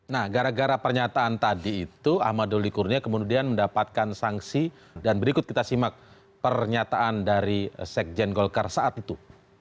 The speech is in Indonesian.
nah gara gara pernyataan tadi itu ahmad doli kurnia kemudian mendapatkan sanksi dan berikut kita simak pernyataan dari sekjen golkar saat itu